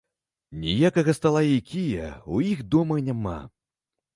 Ніякага стала і кія ў іх дома няма.